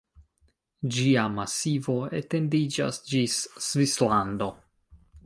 Ĝia masivo etendiĝas ĝis Svislando.